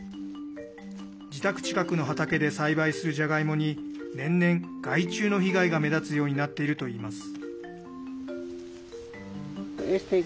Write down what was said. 自宅近くの畑で栽培するじゃがいもに年々、害虫の被害が目立つようになっているといいます。